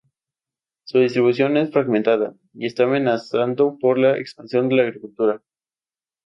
Su distribución es fragmentada, y está amenazado por la expansión de la agricultura.